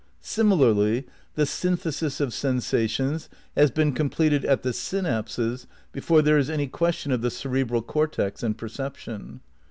Similarly, the synthesis of sensations has been completed at the syn apses before there is any question of the cerebral cor tex and perception.